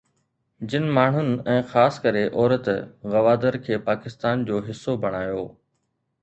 جن ماڻهن ۽ خاص ڪري عورت گوادر کي پاڪستان جو حصو بڻايو